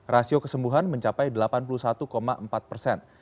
rasio kesembuhan mencapai delapan puluh satu empat persen